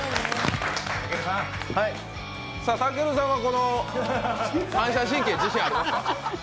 健さんは反射神経、自信ありますか？